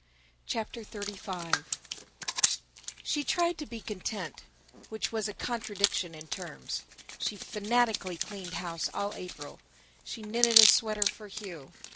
CHAPTER XXXV SHE tried to be content, which was a contradiction in terms. She fanatically cleaned house all April. She knitted a sweater for Hugh.